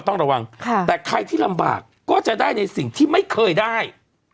ต้องระวังแต่ใครที่ลำบากก็จะได้ในสิ่งที่ไม่เคยได้